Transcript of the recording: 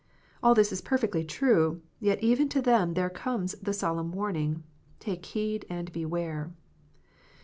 All this is perfectly true ; yet even to them there comes the solemn warning : "Take heed and beware."